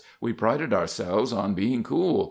We prided ourselves on being cool.